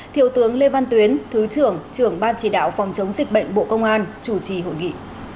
thiếu tướng lê văn tuyến thứ trưởng trưởng ban chỉ đạo phòng chống dịch bệnh bộ công an chủ trì hội nghị